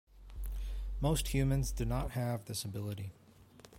Most humans do not have this ability.